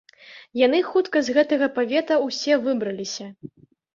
Яны хутка з гэтага павета ўсе выбраліся.